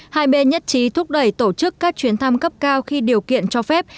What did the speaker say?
hai bên nhất trí thúc đẩy tổ chức các chuyến thăm cấp cao khi điều kiện cho phép